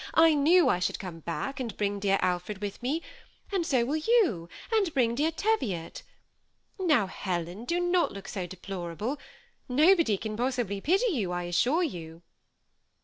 I knew I should come back, and bring dear Alfred with me ; and so will you, and bring dear Teviot Now, Helen, do not look so deplorable ; no body can possibly pity you, I assure you."